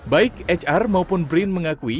baik hr maupun brin mengakui